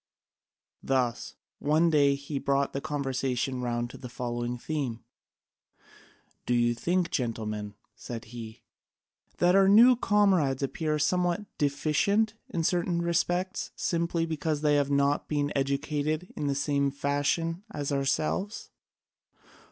Thus one day he brought the conversation round to the following theme: "Do you think, gentlemen," said he, "that our new comrades appear somewhat deficient in certain respects simply because they have not been educated in the same fashion as ourselves?